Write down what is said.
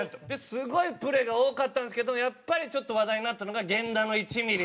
すごいプレーが多かったんですけどやっぱりちょっと話題になったのが源田の１ミリっていう。